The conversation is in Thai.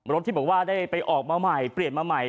รถที่บอกว่าได้ไปออกมาใหม่เปลี่ยนมาใหม่